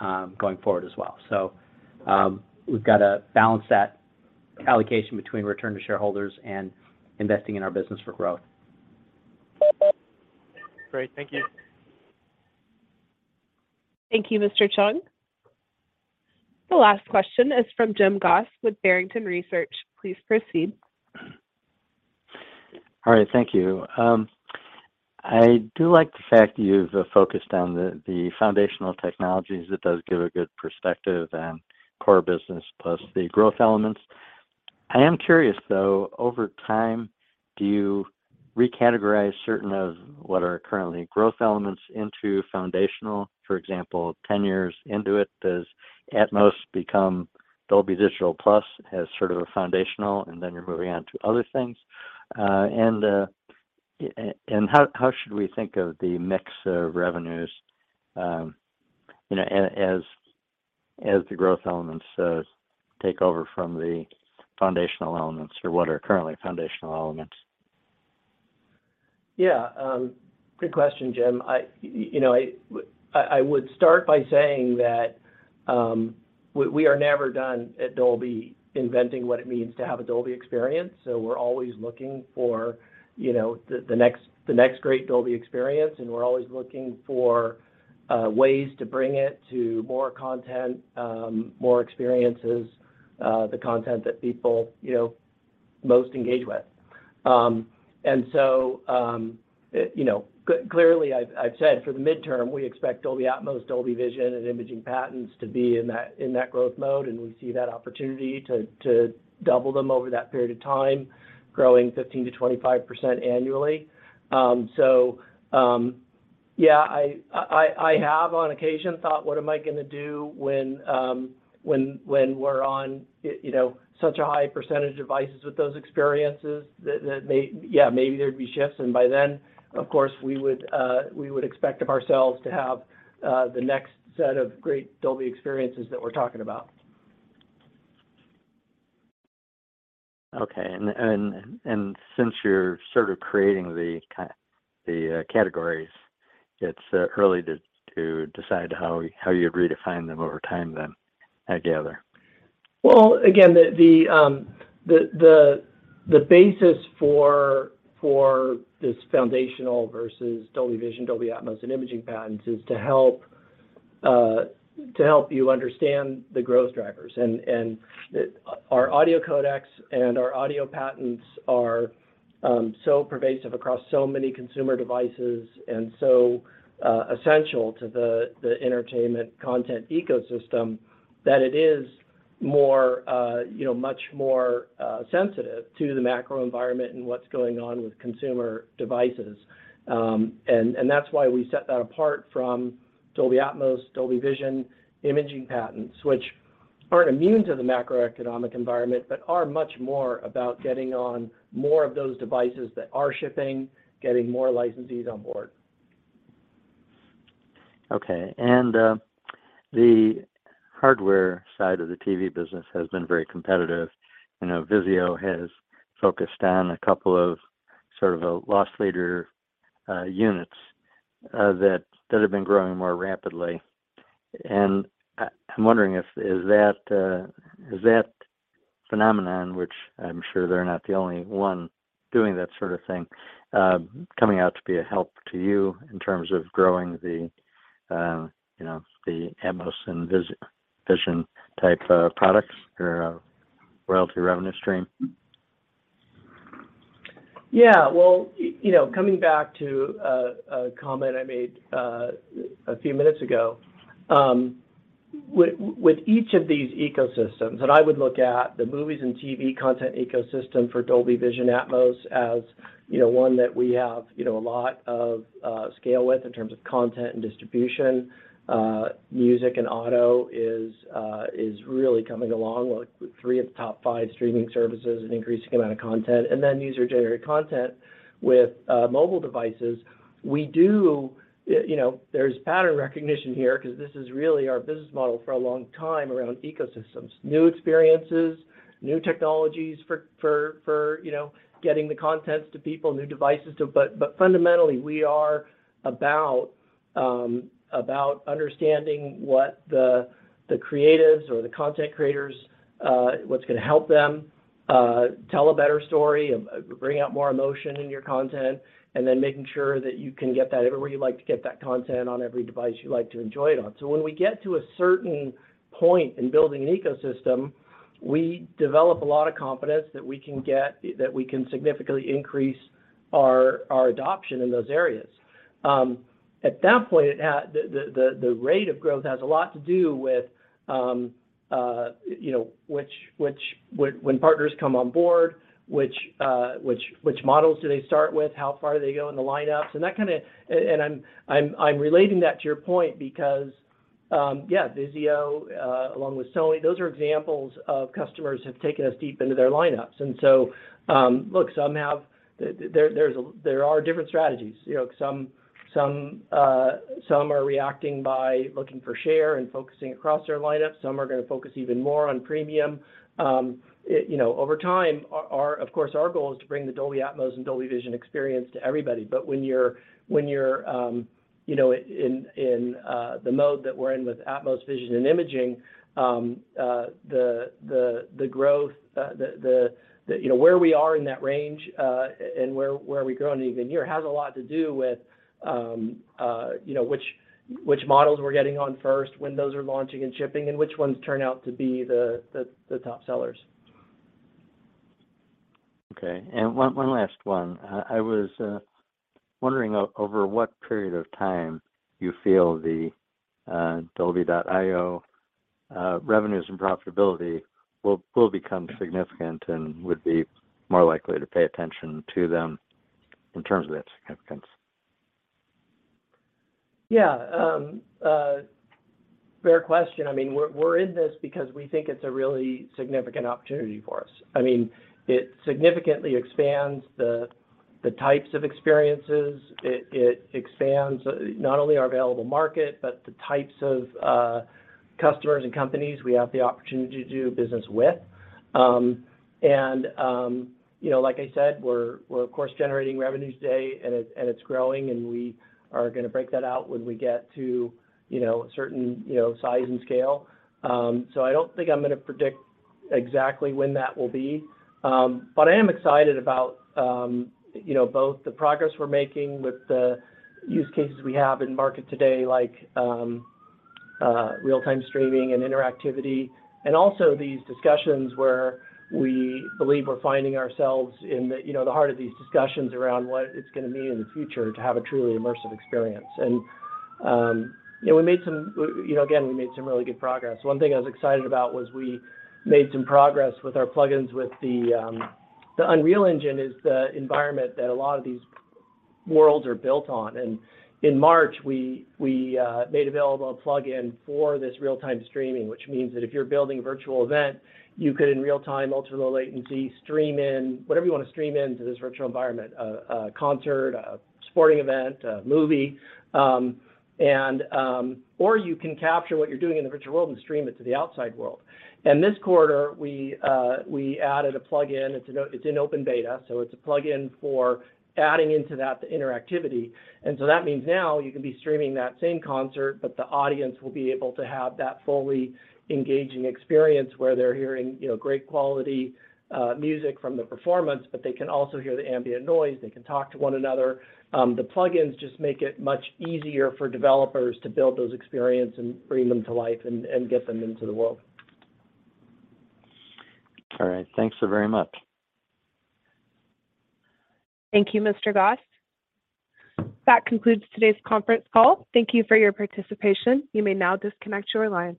8% going forward as well. We've gotta balance that allocation between return to shareholders and investing in our business for growth. Great. Thank you. Thank you, Mr. Chung. The last question is from James Goss with Barrington Research. Please proceed. All right. Thank you. I do like the fact you've focused on the foundational technologies. That does give a good perspective on core business plus the growth elements. I am curious, though, over time, do you recategorize certain of what are currently growth elements into foundational? For example, 10 years into it, does Atmos become Dolby Digital Plus as sort of a foundational, and then you're moving on to other things? How should we think of the mix of revenues, you know, as the growth elements take over from the foundational elements or what are currently foundational elements? Yeah. Great question, Jim. You know, I would start by saying that. We are never done at Dolby inventing what it means to have a Dolby experience. We're always looking for, you know, the next great Dolby experience, and we're always looking for ways to bring it to more content, more experiences, the content that people, you know, most engage with. You know, clearly, I've said for the midterm, we expect Dolby Atmos, Dolby Vision, and imaging patents to be in that growth mode, and we see that opportunity to double them over that period of time, growing 15%-25% annually. Yeah, I have on occasion thought, what am I gonna do when we're on, you know, such a high percentage of devices with those experiences. Yeah, maybe there'd be shifts. By then, of course, we would expect of ourselves to have the next set of great Dolby experiences that we're talking about. Okay. Since you're sort of creating the categories, it's early to decide how you're going to define them over time then, I gather. Well, again, the basis for this foundational versus Dolby Vision, Dolby Atmos, and imaging patents is to help you understand the growth drivers. Our audio codecs and our audio patents are so pervasive across so many consumer devices and so essential to the entertainment content ecosystem that it is more, you know, much more sensitive to the macro environment and what's going on with consumer devices. That's why we set that apart from Dolby Atmos, Dolby Vision, imaging patents, which aren't immune to the macroeconomic environment, but are much more about getting on more of those devices that are shipping, getting more licensees on board. Okay. The hardware side of the TV business has been very competitive. I know VIZIO has focused on a couple of, sort of a loss leader units that have been growing more rapidly. I'm wondering if is that phenomenon, which I'm sure they're not the only one doing that sort of thing, coming out to be a help to you in terms of growing the, you know, the Atmos and Vision type of products or royalty revenue stream? Yeah. Well, you know, coming back to a comment I made a few minutes ago, with each of these ecosystems, I would look at the movies and TV content ecosystem for Dolby Vision, Atmos as, you know, one that we have, you know, a lot of scale with in terms of content and distribution. Music and auto is really coming along with three of the top five streaming services, an increasing amount of content. User-generated content with mobile devices, there's pattern recognition here because this is really our business model for a long time around ecosystems. New experiences, new technologies for, you know, getting the contents to people. Fundamentally, we are about understanding what the creatives or the content creators, what's gonna help them tell a better story, bring out more emotion in your content, and then making sure that you can get that everywhere you like to get that content on every device you like to enjoy it on. When we get to a certain point in building an ecosystem, we develop a lot of confidence that we can significantly increase our adoption in those areas. At that point, the rate of growth has a lot to do with, you know, when partners come on board, which models do they start with, how far they go in the lineups. I'm relating that to your point because, yeah, VIZIO, along with Sony, those are examples of customers have taken us deep into their lineups. Look, there are different strategies. You know, some are reacting by looking for share and focusing across their lineup. Some are gonna focus even more on premium. You know, over time, of course, our goal is to bring the Dolby Atmos and Dolby Vision experience to everybody. When you're, you know, in the mode that we're in with Atmos, Vision, and imaging, the growth, you know, where we are in that range, and where we're growing even here has a lot to do with, you know, which models we're getting on first, when those are launching and shipping, and which ones turn out to be the top sellers. Okay. One last one. I was wondering over what period of time you feel the Dolby.io revenues and profitability will become significant and would be more likely to pay attention to them in terms of its significance. Yeah. Fair question. I mean, we're in this because we think it's a really significant opportunity for us. I mean, it significantly expands the types of experiences. It expands not only our available market, but the types of customers and companies we have the opportunity to do business with. You know, like I said, we're of course generating revenues today, and it's growing, and we are gonna break that out when we get to, you know, a certain, you know, size and scale. I don't think I'm gonna predict exactly when that will be. I am excited about, you know, both the progress we're making with the use cases we have in market today, like real-time streaming and interactivity, and also these discussions where we believe we're finding ourselves in, you know, the heart of these discussions around what it's gonna mean in the future to have a truly immersive experience. You know, again, we made some really good progress. One thing I was excited about was we made some progress with our plug-ins with, the Unreal Engine is the environment that a lot of these worlds are built on. In March, we made available a plug-in for this real-time streaming, which means that if you're building a virtual event, you could in real-time, ultra-low latency, stream in whatever you wanna stream in to this virtual environment, a concert, a sporting event, a movie. You can capture what you're doing in the virtual world and stream it to the outside world. This quarter, we added a plug-in. It's in open beta, so it's a plug-in for adding into that interactivity. That means now you can be streaming that same concert, but the audience will be able to have that fully engaging experience where they're hearing, you know, great quality music from the performance, but they can also hear the ambient noise. They can talk to one another. The plug-ins just make it much easier for developers to build those experience and bring them to life and get them into the world. All right. Thanks so very much. Thank you, Mr. Goss. That concludes today's conference call. Thank you for your participation. You may now disconnect your lines.